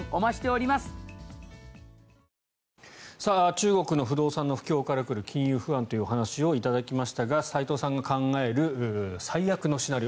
中国の不動産の不況から来る金融不安というお話をしていただきましたが齋藤さんが考える最悪のシナリオ